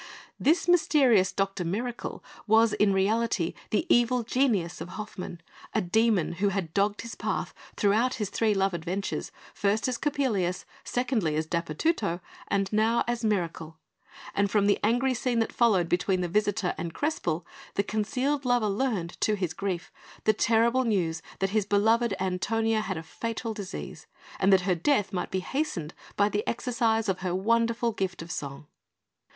This mysterious Dr Mirakel was, in reality, the evil genius of Hoffmann a demon who had dogged his path throughout his three love adventures, first as Coppelius, secondly as Dapurtutto, and now as Mirakel and from the angry scene that followed between the visitor and Crespel, the concealed lover learned, to his grief, the terrible news that his beloved Antonia had a fatal disease, and that her death might be hastened by the exercise of her wonderful gift of song.